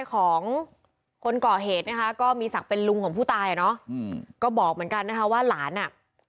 ของคนก่อเหตุนะคะก็มีศักดิ์เป็นลุงของผู้ตายอ่ะเนอะอืมก็บอกเหมือนกันนะคะว่าหลานอ่ะ